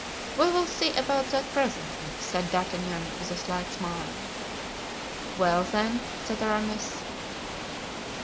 "We will see about that presently," said D'Artagnan, with a slight smile. "Well, then?" said Aramis.